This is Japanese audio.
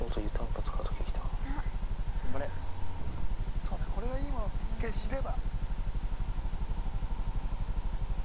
そうだこれはいいものって１回知れば。